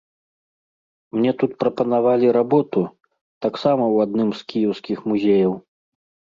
Мне тут прапанавалі работу, таксама ў адным з кіеўскіх музеяў.